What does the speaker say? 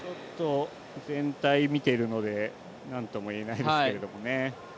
全体見ているので何とも言えないですけれどもね。